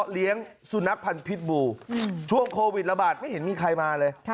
เลี้ยงสุนัขพันธ์พิษบูช่วงโควิดระบาดไม่เห็นมีใครมาเลย